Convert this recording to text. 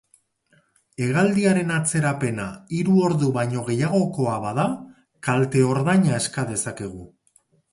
Hegaldiaren atzerapena hiru ordu baino gehiagokoa bada, kalte-ordaina eska dezakegu.